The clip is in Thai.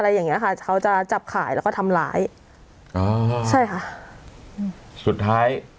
อย่างเงี้ยค่ะเขาจะจับขายแล้วก็ทำร้ายอ๋อใช่ค่ะอืมสุดท้าย